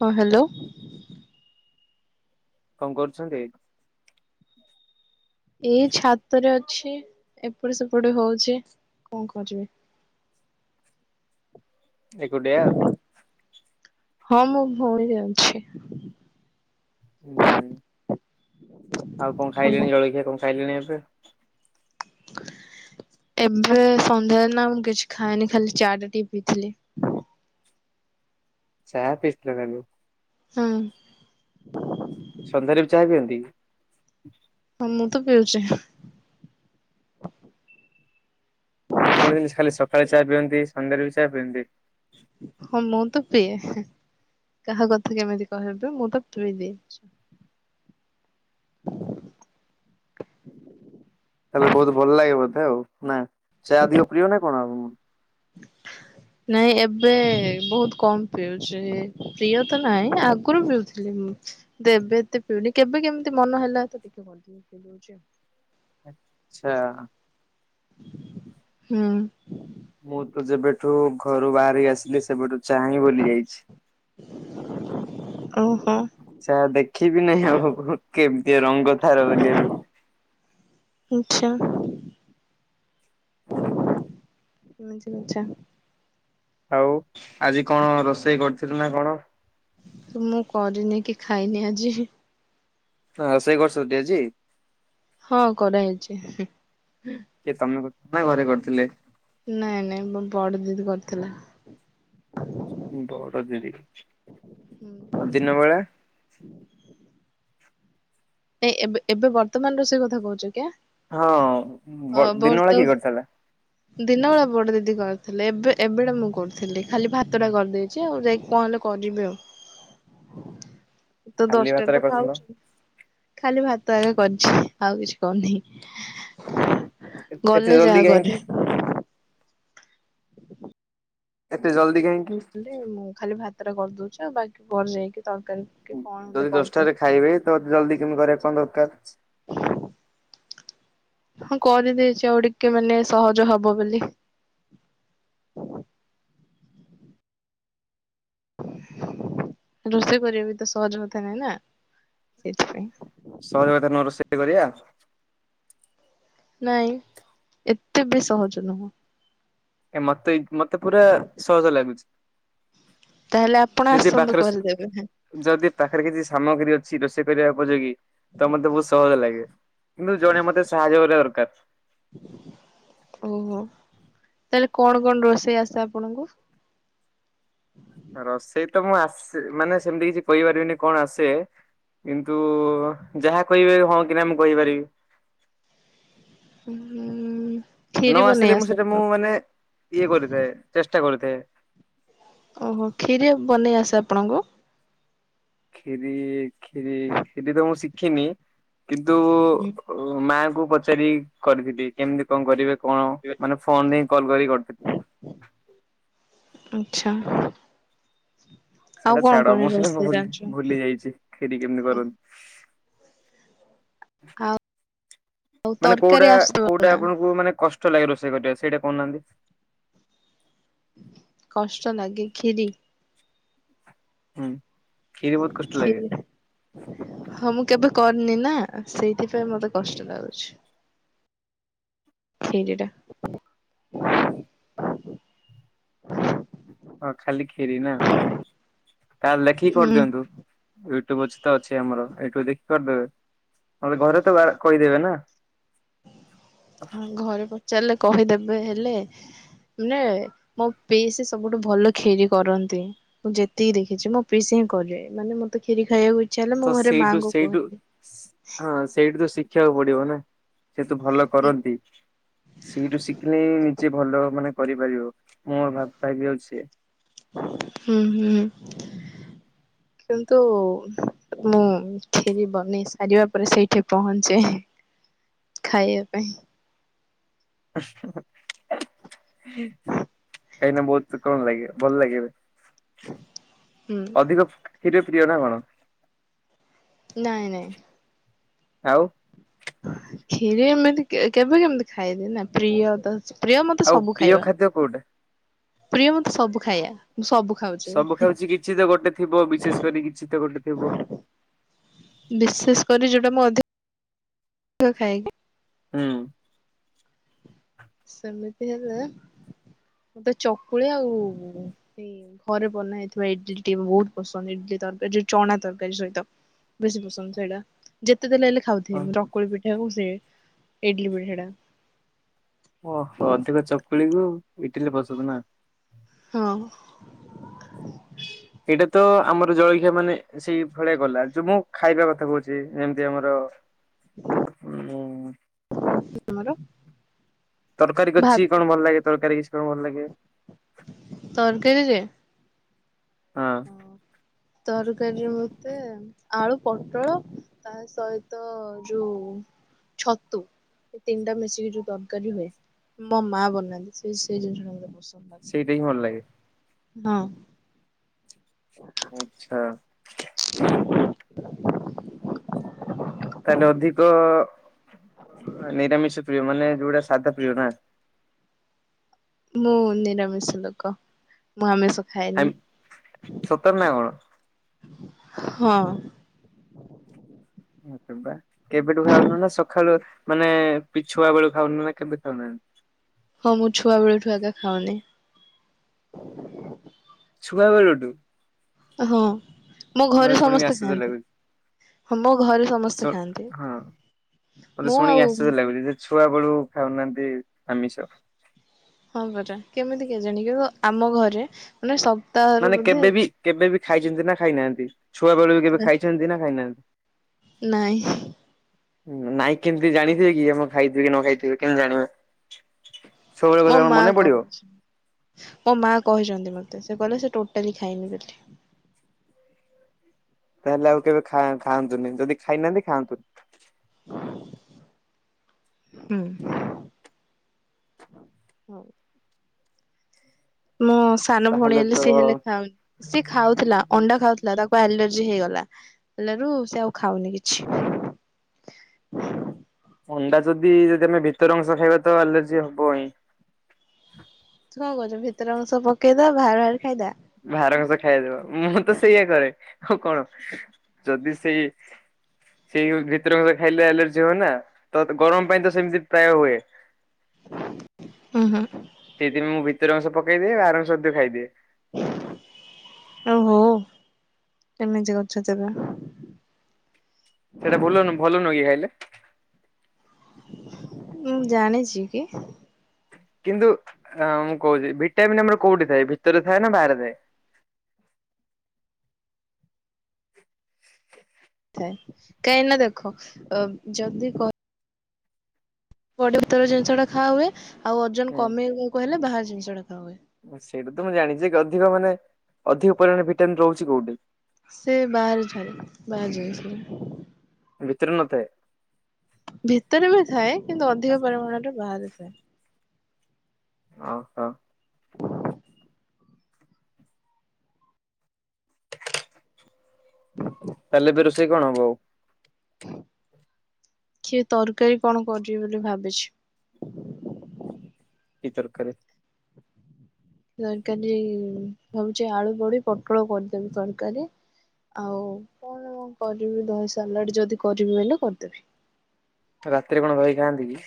ହଁ ହ୍ୟାଲୋ। କଣ କରୁଛନ୍ତି? ଏଇ ଛାତରେ ଅଛି ଏପଟେ ସେପଟେ ହଉଛି କଣ କରିବି? ଏକୁଟିଆ? ହଁ ମୁଁ ଭଉଣୀର ଅଛି। ଉ ହୁଁ ଆଉ କଣ ଆମ ଖାଇଲିଣି ଜଳଖିଆ କଣ ଖାଇଲିଣି ଏବେ? ଏବେ ସନ୍ଧ୍ୟା ନା ମୁଁ କିଛି ଖାଇନି ଖାଲି ଚାଟା ଟିକ ପିଇଥିଲି। ଚା ପିସ୍ ଥିଲ ତାହେଲେ। ହଁ। ସନ୍ଧ୍ୟାରେ ବି ଚାହା ପିଅନ୍ତି? ହଁ ମୁଁ ତ ପିଉଛି। ମୁଁ ଶୁଣିଥିଲି ଖାଲି ସକାଳେ ଚା ପିଅନ୍ତି ସନ୍ଧ୍ୟାରେ ବି ଚା ପିଅନ୍ତି? ହଁ ମୁଁ ତ ପିଏ। କାହା କଥା କେମିତି କହିବି ମୁଁ ତ ପିଇଦିଏ। ତାଲେ ବହୁତ ଭଲ ଲାଗେ ବୋଧେ ଆଉ ନା ଚା ଅଧିକ ପ୍ରିୟ ନା କଣ ଆଉ? ନାଇଁ ଏବେ ବହୁତ କମ ପିଉଛି ପ୍ରିୟ ତ ନାହିଁ ଆଗରୁ ପିଉଥିଲି। ହୁଁ ଦେବେ ଏତେ ପିଉନି କେବେ କେମିତି ମନ ହେଲା ତ ଟିକେ କରିଦଉ। ଆଛା। ହୁଁ, ମୁଁ ତ ଯେବେଠୁ ଘରୁ ବାହାରିକି ଆସିଲି ସେବେଠୁ ଚାହିଁ ବୁଲି ଯାଇଛି। ଓହୋ ଆଛା ଦେଖିବି ନାହିଁ ଆଉ କେ ଟଏ ରଙ୍ଗ ଥାର ବୋଲିଏବେ ଆଚ୍ଛା [inaudible] ଆଉ ଆଜି କଣ ରୋଷେଇ କରିଥିଲୁ ନା କଣ? ମୁଁ କରିନି କି ଖାଇନି ଆଜି। ହଁ ରୋଷେଇ କରିସୁଟି ଆଜି? ହଁ କରାହେଇଛି। କି ତମେକରିଥିଲ ନାଁ ଘରେ କରିଥିଲେ? ନାଇଁ ନାଇଁ ବଡ ଦିଦି ମ କରିଥିଲା। ବଡ ଦିଦି, ଆଉ ଦିନ ବେଳା? ନାଇଁ ଏବେ ଏବେ ବର୍ତ୍ତମାନ ରୋଷେଇ କଥା କହୁଛ କିଆ ହଁ ଵ ଦିନ ବେଳେ କିଏ କରିଥିଲା? ଦିନ ବେଳା ବଡେ ଦିଦି କରିଥିଲେ। ଏବେ ଏବେଟା ମୁଁ କରୁଥିଲି। ଖାଲି ଭାତ ଟା କରିଦେଇଛି। ଆଉ ଯାଇକ କଣ ହେଲା କରିବି ଆଉ। ତ ଖାଲି ଦଶଟାରେ ଭାତରେ ତ କରିଥିଲ। ଖାଉଚୁ ଖାଲି ଭାତ ତ ଆଗ କରିଛି ଆଉ କିଛି କରିନି ଏତେ ଗଲେ ଜଲ୍ଦି ଯାହା କାହିଁକି କରିବି। ଏତେ ଜଲ୍ଦି କାହିଁକି? ମୁଁ ଖାଲି ଭାତଟା କରିଦଉଛି ଆଉ ବାକି ଘ ଯାଇକି? ତରକାରୀ କି କଣ ହେଲେ ଯଦି କରିଦିଏ। ଦଶଟାରେ ଖାଇବେ ତ ଜଲଦି କେମତି କରିବା କଣ ଦରକାର? ହଁ କରିଦେଇଛି ଆଉ ଟିକେ ମାନେ ସହଜ ହବ ବୋଲି। ହ [inaudible] ରୋଷେଇ କରିବା ବି ତ ସହଜ କଥା ନାଇଁ ନା? ସେଇଥିପାଇଁ। ସହଜ କଥା ନୁହଁ ରୋଷେଇ କରିବା ନାଇଁ ଏତେ ବି ସହଜ ନୁହଁ। ଏ ମତେ ମତେ ପୁରା ସହଜ ଲାଗୁଛି। ତାହେଲେ ଆପଣ ଯଦି ଆସନ୍ତୁ ପାଖରେ କରିଦେବେ ଯଦି ପାଖରେ କିଛି ସାମଗ୍ରୀ ଅଛି ରୋ ଷେଇ କରିବା ଉପଯୋଗୀ ତ ମତେ ବହୁତ ସହଜ ଲାଗେ କିନ୍ତୁ ଜଣେ ମତେ ସାହାଯ୍ୟ କରିବା ଦରକାର। ଓହୋ ତାହେଲେ କଣ କଣ ରୋଷେଇ ଆସେ ଆପଣଙ୍କୁ? ରୋଷେଇ ତ ମୁଁ ଆସେ ମାନେ ସେମତି କିଛି କହିପାରିବିନି କଣ ଆସେ? କିନ୍ତୁ ଯାହା କହିବେ ହଁ କି ନା ମୁଁ କହିପାରିବି? ହୁଁ ଉଁ କ୍ଷୀରି ନ ବନେଇ ଆସିଲେ ମୁଁ ଆସେ ସେଇଟା ମୁଁ ଆପଣଙ୍କୁ ମାନେ ଇଏ କରିଥାଏ ଚେଷ୍ଟା କରୁଥାଏ। ଓହୋ ଖିରି ବନେଇ ଆସେ ଆପଣଙ୍କୁ? ଖିରି ଖିରି ଖିରି ତ ମୁଁ ଶିଖିନି? କିନ୍ତୁ ମାଙ୍କୁୁ ପଚାରି କରିଥିଲି କେମିତି କଣ କରିବେ? କଣ ମାନେ ଫୋନରେ ହିଁ କଲ କରିକି କରିଥିଲି। ଆଚ୍ଛା। ଆଉ ସେଇଟା କଣ ଛାଡ କଣ ମୁଁ ସେଇଟା ରୋଷେଇ ଭ ଜାଣିଛନ୍ତି? ଭୁଲି ଯାଇଛି ଖିରି କେମତି କରନ୍ତି? ଆଉ, ଆଉ ମାନେ ତରକାରୀ କୋଉଟା ଆସୁଥିବ କୋଉଟା ନା? ଆପଣଙ୍କୁ ମାନେ କଷ୍ ଷ୍ଟ ଲାଗେ ରୋଷେଇ କରିବା ସେଇଟା କହୁନାହାନ୍ତି? କଷ୍ଟ ଲାଗେ ଖିରି? ହୁଁ, କ୍ଷୀରି ବହୁତ କଷ୍ଟ ଲାଗେ ହଁ ମୁଁ କେବେ କରନି ନା ସେଇଥିପାଇଁ ମତେ କଷ୍ଟ ଲାଗୁଛି। ଖିରିଟା [inaudible] ହଁ ଖାଲି ଖିରି ନା ତାହେଲେ ଲେଖିକି ହୁଁ କରିଦିଅନ୍ତୁ। ବ ଅଛି ଆମର ଏଇଠୁ ଦେଖି ପାରୁଥିବେ ନହେଲେ ଘରେ ତ ବା କହିଦେବେ ନା। ହଁ ଘରେ ପଚାରିଲେ କହିଦେବେ ହେଲେ ମାନେ ମୋ ପିଇସି ସବୁଠୁ ଭଲ ଖିରି କରନ୍ତି। ମୁଁ ଯେତିକି ଦେଖିଛି ମୋ ପିଇ କରେ ମାନେ ମତ ଖିରି ଖାଇବାକୁ ଇଚ୍ଛା ହେଲେ ମୁଁ ତ ଘରେ ସେଇଠୁ ମାଆଙ୍କୁ କୁହେ। ସେଇଠୁ ହଁ ସେଇଠୁ ତ ଶିଖିବାକୁ ପଡିବ ନା? ସେତୁ ଭଲ କରନ୍ତି। ସେଠୁ ଶିଖିଲେ ନିଜେ ଭଲ ମାନେ କରିପାରିବ। ମୋର ବାପା ବିି ଅଛି ହ କିନ୍ତୁ ମୁଁ କ୍ଷୀରି ବନେଇ ସାରିବା ପରେ ସେଇଠି ପହଞ୍ଚେ ଖାଇବା ପାଇଁ। ଉହୁଁ ହୁଁ। କାଇଁନା ବହୁତ କଣ ଲାଗିବ ଭଲ ଲାଗିବ। ହୁଁ। ଅଧିକ କ୍ଷୀର ପ୍ରିୟ ନା କଣ? ନାଇଁ ନାଇଁ। ଆଉ କ୍ଷିରି ଏମିତି କେ କେବେ କେମିତି ଖାଇଦିଏ ନା ପ୍ରିୟ ତ ପ୍ରିୟ ମତେ ଆଉ ସବୁ ପ୍ରିୟ ଖାଇବା ଖାଦ୍ୟ କୋଉଟା? ପ୍ରିୟ ମତେ ସବୁ ଖାଇବା। ମୁଁ ସବୁ ଖାଉଛି ସବୁ ଖାଉଛି କିଛି ତ ଗୋଟେ ଥିବ ବିଶେଷ କରି କିଛି ତ ଗୋଟେ ଥିବ। ବିଶେଷ କରି ଯୋଉଟା ମ କ ଖାଏ। ହୁଁ। ସେମିତି ହେଲେ। ମତେ ଚକୁଳି ଆଉ ଏଇ ଘରେ ବନା ହେଇଥିବା ଇଡଲିଟି ବହୁତ ପସନ୍ଦ ଇଡ ତଡକା ଚଣା ତରକାରୀ ସହିତ ବେଶୀ ପସନ୍ଦ ସେଇଟା ଯେ କେତେ ଦେଲେ ହେଲେ ଖାଉଥିଏ ହଁ ଚକୁଳି ପିଠା କୁ ସେ ଇଡଲି ପିଠା ଟା। ଓହୋ ଅଧିକ ଚକୁଳିକୁ ଇଟିଲି ପସନ୍ଦ୍ ନା। ହଁ। ଏଇଟା ତ ଆମର ଜଳଖିଆ ମାନେ ସେଇ ଭଳିଆ ଗଲା ଯଉ ମୁଁ ଖାଇବା କଥା କୋହୁଚି ଯେମିତି ଆମର ହୁଁ। ଆମର ତରକାରୀ ଭାତ କିଛି କଣ ଭଲ ଲାଗେ ତରକାରୀ କିଛି କଣ ଭଲ ଲାଗେ। ତରକାରୀରେ ହଁ। ତରକାରୀରେ ମତେ ଆଳୁ ପୋଟଳ ତା ସହିତ ଯୋଉ ଛତୁ। ତିନିଟା ମିଶିକି ଯୋଉ ତରକାରୀ ହୁଏ। ମୋ ମା ବନାନ୍ତି ସେ ସେ ଜିନିଷ ଟା ମତେ ପସନ୍ଦ। ଲାଗେ। ସେଇଟା ହିଁ ଭଲ ଲାଗେ। ହଁ। ଆଛା। [inaudible] ତାହେଲେ ଅଧିକ ନିରାମିଷ ପ୍ରିୟ ମାନେ ଯୋଉଟା ସାଧା ପ୍ରିୟ ନା। ମୁଁ ନିରାମିଷ ଲୋକ ମୁଁ ଆମିଷ ଆ ଖାଏନି। ସତରେ ନା କଣ ହଁ। ଆରେ ବା କେବେଠୁ ଖାଉନ ନା ସଖାଳୁଆ ମାନେ ପିଛୁଆ ବେଳୁ ଖାଉନ ନା କେମିତି ଖାଉନାହାନ୍ତି। ହଁ ଛୁଆ ବେଳେଠୁ ଏକା ଖାଉନି। ଛୁଆ ବେଳଠୁ? ହଁ ମୋ ମତେ ଘରେ ଶୁଣିକି ସମସ୍ତେ ଆଶ୍ଚର୍ଯ୍ୟ ଖାଆନ୍ତି। ଲାଗୁଛି ହଁ ମୋ ଘରେ ସମସ୍ତେ ଖାଆନ୍ତି। ମୋତେ ମୁଁ ଶୁଣିକି ଆଉ ଆଶ୍ଚର୍ଯ୍ୟ ଲାଗୁଛି ଯେ ଛୁଆ ବେଳୁ ଖାଉନାହାନ୍ତି ଆମିଷ। ହଁ ପରା କେମିତି କେଜାଣି କି ଆମ ଘରେ ମାନେ ସବ ମାନେ କେବେ ବି କେବେ ବି ଖାଇଛନ୍ତି ନା ଖାଇନାହାନ୍ତି ଛୁଆ ବେଳୁ ବି କେବେ ଖାଇଛନ୍ତି ନା ଖାଇନାହା ନାଇଁ। ନାଇଁ କେମିତି ଜାଣିଥିବେ କି ଆମ ଖାଇଥିବେ କି ନ ଖାଇଥିବେ କେମିତି ଜାଣିବେ। ସବୁବେଳେ ମୋ କଥା କଣ ମା ମନେ କ ପଡିବ ମୋ ମା କହିଛନ୍ତି ମତେ ସେ କହିଲେ ସେ ଟୋଟାଲି ଖାଇନି ବୋଲି। ତାହେଲେ ଆଉ କେବେ ଖା-ଖାଆନ୍ତୁନି ଯଦି ଖାଇନାହାନ୍ତି ଖାଆନ୍ତୁନି। ହୁଁ ହଉଁ ମୋ ସାନ ଭଉଣୀ ତାହେଲେ ତ ହେଲେ ସିଏ ହେଲେ ଖାଉନି ସିଏ ଖାଉଥିଲା ଅଣ୍ଡା ଖାଉଥିଲା ତାକୁ ଆଲର୍ ଜି ହେଇଗଲା ହେଲା ରୁ ସେ ଆଉ ଖାଉନି କିଛି। ଅଣ୍ଡା ଯଦି ଯଦି ଆମେ ଭିତର ଅଂଶ ଖାଇବା ତ ଆଲର୍ଜି ହବଇଁ। ତୁ କଣ କହୁଛ ଭିତର ଅଂଶ ପକେଇଦବା ବାହାରେ ବାହାରେ ଖାଇଦବା। ବାହାର ଅଂଶ ଖାଇଦବା ମୁଁ ତ ସେଇୟଆ କରେ ଆଉ କଣ ଯଦି ସେଇ ସେଇ ଭିତରଙ୍କ ଖାଇଲେ ଆଲର୍ଜି ହୁଏନା ତ ଗରମ ପାଇଁ ତ ସେମିତି ପ୍ରାୟ ହୁଏ। ହୁଁ ହୁଁ ସେଇଥିପାଇଁ ମୁଁ ଭିତର ଅଂଶ ପକେଇଦିଏ ବାହାର ଅଂଶ ସବୁ ଖାଇଦିଏ। ହ ଓ ହୋ ଏମିତି କରୁଛ ତେବେ। ସେଇଟା ଭଲନୁ ଭଲନୁ କି ଖାଇଲେ ମୁଁ ଜାଣିଛି କି କିନ୍ତୁ ମୁଁ କହୁଛି ଭିଟାମିନ୍ ଆମର କୋଉଠି ଥାଏ ଭିତରେ ଥାଏ ନା ବାହାରେ ଥାଏ [inaudible] ଥାଏ କାହିଁକିନା ଦେଖ ଯଦି କ ବଡି ଭିତର ଜିନିଷଟ ଟା ଖାଆ ହୁଏ ଆଉ ଓଜନ ହୁଁ। କମେଇବାକୁ ହେଲେ ବାହାର ଜିନିଷ ଟା ଖାଆ ହୁଏ। ସେଇଟା ତ ମୁଁ ଜାଣିଚି ଅଧିକ ମାନେ ଅଧିକ ପରିମାଣରେ ଭିଟାମିନ ରହୁଚି କୋଉଠି ସେ ବାହାରେ ଛାଡ ବାହାର ଯାଇଚି। ଭିତରେ ନଥାଏ। ଭିତରେ ବି ଥାଏ କିନ୍ତୁ ଅଧିକ ପରିମାଣରେ ବାହାରେ ଥାଏ। ଓହୋ [inaudible] ତାଲେ ଏବେ ରୋଷେଇ କଣ ହବ? ହୁଁ କିଏ ତରକାରୀ କଣ କରିବି ବୋଲି ଭାବିଚି। କି ତରକାରି? ତରକାରୀ ଭାବୁଛି ଆଳୁ ବଡି ପୋଟଳ କରିଦେବି ତରକାରୀ। ଆଉ କଣ କରିବି ଦହି ସାଲାଡ ଯଦି କରିବି ହେଲେ କରିଦେବି। ତ ରାତିରେ କଣ ଦହି ଖାଆନ୍ତି କି?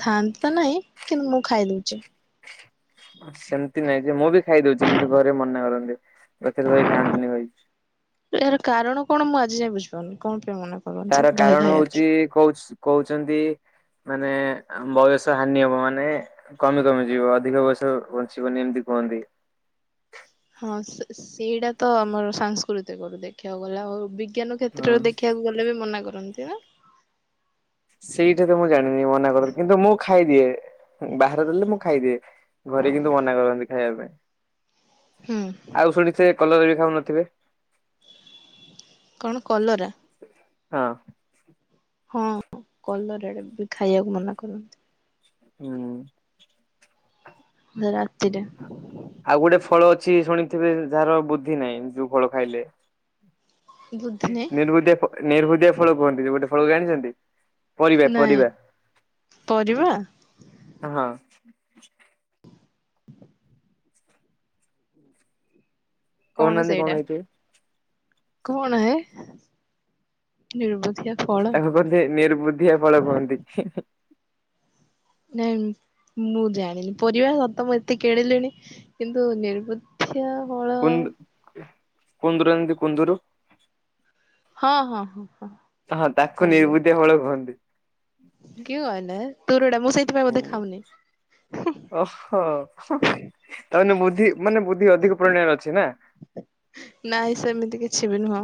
ଖାଆନ୍ତୁତ ନାହିଁ କିନ୍ତୁ ମୁଁ ଖାଇ ଦଉଚି। ସେମିତି ନାଇଁ ଯେ ମୁଁ ବି ଖାଇଦଉଛି କିନ୍ତୁ ଘରେ ମନା କରନ୍ତି। ରାତିରେ ଦହି ଖାଆନ୍ତିନି କହିକି। ଏହାର କାରଣ କଣ ମୁଁ ଆଜି ଯାଏ ବୁଝପାରୁନି କଣ? ପାଇଁ ମନା କରନ୍ତି ତାର ଦହି କାରଣ ଖାଇବାକୁ। ହଉଛି କହୁଚି କହୁଛନ୍ତି ମାନେ ବୟସ ହାନି ହବ ମାନେ କମି କମି ଯିବ ଅଧିକ ବୟସ ବଞ୍ଚିବନି। ଏମିତି କୁହନ୍ତି। ହ [inaudible] ହଁ ସେ ସେଇଟା ତ ଆମର ସାଂସ୍କୃତିକରୁ ଦେଖିବାକୁ ଗଲା ଆଉ ବି ବିଜ୍ଞାନ ହଁ କ୍ଷେତ୍ରରେ ଦେଖିବାକୁ ଗଲେ ବି ମନା କରନ୍ତି ନା। ସେଇଟା ତ ମୁଁ ଜାଣିନି ମନା କର କିନ୍ତୁ ମୁଁ ଖାଇଦିଏ। ବାହାରେ ଦେଲେ ମୁଁ ଖାଇଦିଏ ଘରେ କିନ୍ତୁ ମନା କରନ୍ତି ଖାଇବା ପାଇଁ। ହୁଁ ଆଉ ଶୁଣିଥିବେ କଲରା ବି ଖାଉନଥିବେ। କଣ କଲରା। ହଁ। ହଁ କଲରା ଡେ ବି ଖାଇବାକୁ ମନା କରନ୍ତି। ହୁଁ। ରାତିରେ। ଆଉ ଗୋଟେ ଫଳ ଅଛି ଶୁଣିଥିବେ ଯାହାର ବୁଦ୍ଧି ନାହିଁ ଯୋଉ ଫଳ ଖାଇଲେ। ବୁଝିନି ନିର୍ବୁଧିଆ ନିର୍ବୁଧିଆ ଫଳ କୁହନ୍ତି ଯେ ଗୋଟେ ଫଳ ଜାଣିଛନ୍ତି। ପରିବା ନାଇଁ ପରିବା ପରିବା ହଁ। କହୁନାହାନ୍ତି କଣ ହେଇଥିବ। କଣ ହେ ନିର୍ବୁଦ୍ଧିଆ। ତାକୁ କୁହନ୍ତି ନିର୍ବୁଦ୍ଧିଆ ଫଳ କୁହନ୍ତି ହିଁ ହିଁ। ନାଇଁ ମୁଁ ଜାଣିନି ପରିବା ସତ ମୁଁ ଏତେ କିଣି ଲିଣି କିନ୍ତୁ ନିର୍ବୁ ଧିଆ ହଁ। କୁନ୍ଦ କୁନ୍ଦୁରୁ ଜାଣିଛନ୍ତି କୁନ୍ଦୁରୁ। ହଁ ହଁ ହଁ। ହଁ ହଁ ତାକୁ କୁହନ୍ତୁ ନିର୍ବୁଧିଆ ଫଳ କୁହନ୍ତି। କିଏ କହିଲା ହେ ତୋରଟା ମୁଁ ସେଇଥିପାଇଁ ବୋଧେ ଖାଉନି। ଓହୋ ହୋ ହୋ ତା ମାନେ ବୁଦ୍ଧି ମାନେ ବୁଦ୍ଧି ଅଧିକ ପରିମାଣରେ ଅଛି ନା। ନାହିଁ ସେମିତି କିଛି ବି ନୁହଁ।